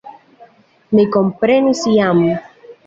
Mi komprenis jam.